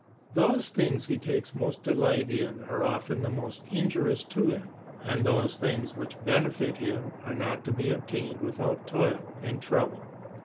Those things he takes most delight in are often the most injurious to him, and those things which benefit him are not to be obtained without toil and trouble.